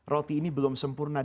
roti ini belum sempurna